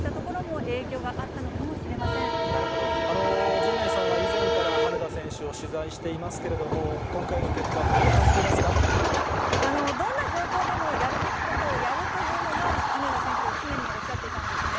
陣内さんは以前から羽根田選手を取材していますけれども、今回のどんな状況でもやるべきことをやるというのが、羽根田選手、常におっしゃっていたんですね。